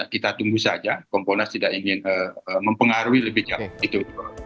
kita tunggu saja komponas tidak ingin mempengaruhi lebih jauh itu